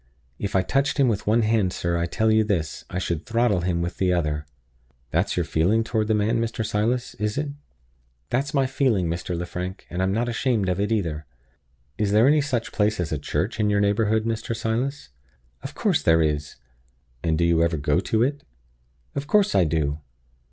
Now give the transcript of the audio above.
If I touched him with one hand, sir, I tell you this, I should throttle him with the other." "That's your feeling toward the man, Mr. Silas, is it?" "That's my feeling, Mr. Lefrank; and I'm not ashamed of it either." "Is there any such place as a church in your neighborhood, Mr. Silas?" "Of course there is." "And do you ever go to it?" "Of course I do."